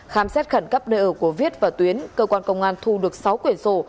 khám xét khẩn cấp nơi ở của viết và tuyến cơ quan công an thu được sáu quyển sổ